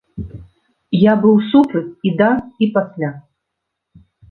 Я быў супраць і да, і пасля.